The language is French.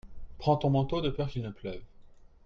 Prends ton manteau de peur qu'il ne pleuve.